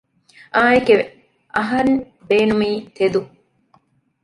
އާނއެކެވެ! އަހަން ބޭނުމީ ތެދު